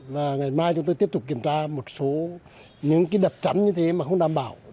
và ngày mai chúng tôi tiếp tục kiểm tra một số những cái đập chắn như thế mà không đảm bảo